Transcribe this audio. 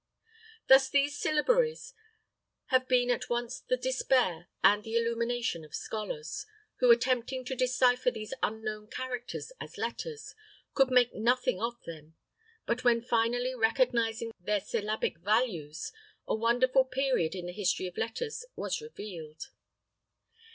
Thus these syllabaries have been at once the despair and the illumination of scholars, who, attempting to decipher these unknown characters as letters, could make nothing of them, but when finally recognizing their syllabic values, a wonderful period in the history of letters was revealed.